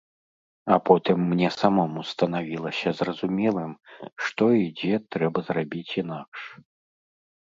А потым мне самому станавілася зразумелым, што і дзе трэба зрабіць інакш.